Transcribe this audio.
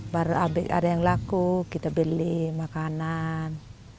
baru ada yang laku kita beli makanan